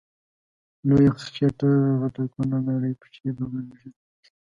لويه خيټه غټه کونه، نرۍ پښی ببره ږيره